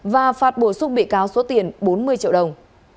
và phạt bổ sung bị cáo số tiền bốn mươi triệu đồng